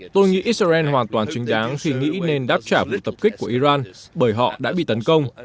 tôi nghĩ israel hoàn toàn chính đáng suy nghĩ nên đáp trả vụ tập kích của iran bởi họ đã bị tấn công